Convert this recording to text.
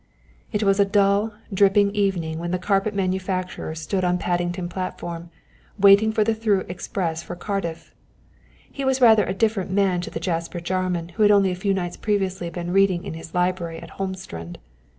It was a dull, dripping evening when the carpet manufacturer stood on Paddington platform, waiting for the through express for Cardiff. He was rather a different man to the Jasper Jarman who had only a few nights previously been reading in his library at "Holmstrand."